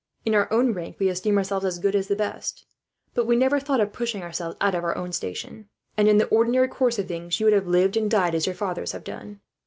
In our own rank, we esteem ourselves as good as the best; but we never thought of pushing ourselves out of our own station, and in the ordinary course of things you would have lived and died as your fathers have done.